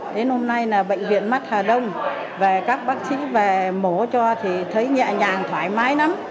đến hôm nay là bệnh viện mắt hà đông về các bác sĩ về mổ cho thì thấy nhẹ nhàng thoải mái lắm